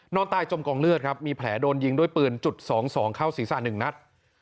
นอนตายจมกองเลือดครับมีแผลโดนยิงด้วยปืนจุด๒๒เข้าศีรษะ๑นัด